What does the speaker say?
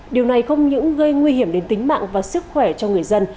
điều này không những gây nguy hiểm đến tính mạng và sức khỏe cho người dân